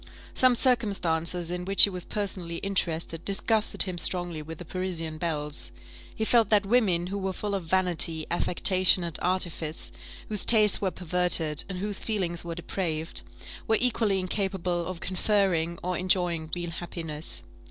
Some circumstances in which he was personally interested disgusted him strongly with the Parisian belles; he felt that women who were full of vanity, affectation, and artifice, whose tastes were perverted, and whose feelings were depraved, were equally incapable of conferring or enjoying real happiness.